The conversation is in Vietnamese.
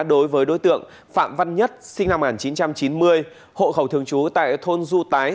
đối với đối tượng phạm văn nhất sinh năm một nghìn chín trăm chín mươi hộ khẩu thường trú tại thôn du tái